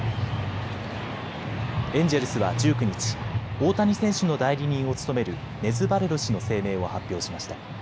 エンジェルスは１９日、大谷選手の代理人を務めるネズ・バレロ氏の声明を発表しました。